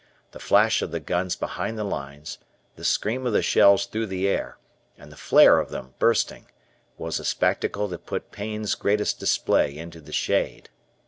The flash of the guns behind the lines, the scream of the shells through the air, and the flare of them, bursting, was a spectacle that put Pain's greatest display into the shade.